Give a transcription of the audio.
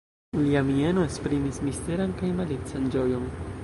Lia mieno esprimis misteran kaj malican ĝojon.